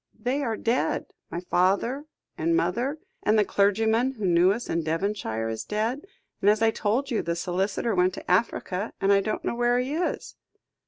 They are dead my father and mother, and the clergyman who knew us in Devonshire is dead; and, as I told you, the solicitor went to Africa; and I don't know where he is."